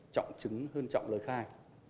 trọng chứng hơn trọng lời khai